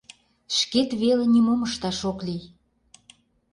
Шкет веле нимом ышташ ок лий.